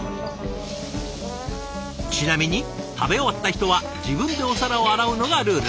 ちなみに食べ終わった人は自分でお皿を洗うのがルール。